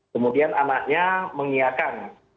kemudian anaknya mengatakan